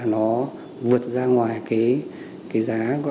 nó vượt ra ngoài cái giá